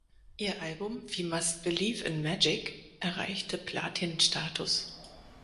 Ihr Album "We Must Believe in Magic" erreichte Platin-Status.